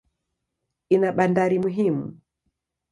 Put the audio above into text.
Ina bandari muhimu.